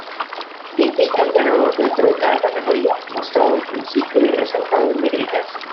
Indica el ganador dentro de cada categoría, mostrado al principio y resaltado en negritas.